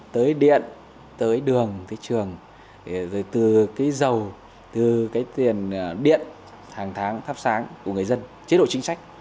tới điện tới đường tới trường rồi từ cái dầu từ cái tiền điện hàng tháng thắp sáng của người dân chế độ chính sách